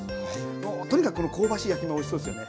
もうとにかくこの香ばしい焼き目おいしそうですよね。